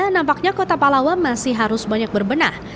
nampaknya kota palawa masih harus banyak berbenah